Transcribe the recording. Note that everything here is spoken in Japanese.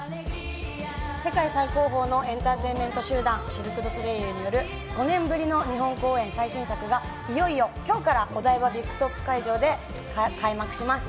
世界最高峰のエンターテインメント集団シルク・ドゥ・ソレイユによる５年ぶりの日本公演、最新作がいよいよ今日からお台場ビッグトップ会場で開幕します。